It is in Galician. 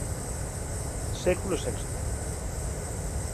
Século sexto